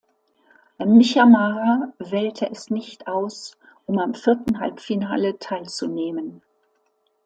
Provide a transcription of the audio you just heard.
Micha Marah wählte es nicht aus, um am vierten Halbfinale teilzunehmen.